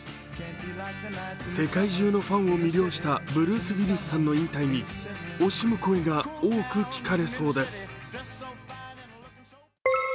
世界中のファンを魅了したブルース・ウィルスさんの引退に惜しむ声が多く聞かれそうです。